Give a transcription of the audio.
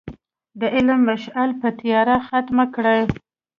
د علم مشعل به تیاره ختمه کړي.